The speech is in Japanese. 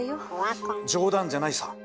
冗談じゃないさ。